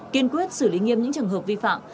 kiên quyết xử lý nghiêm những trường hợp vi phạm